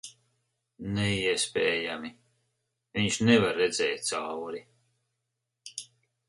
Neiespējami. Viņš nevar redzēt cauri...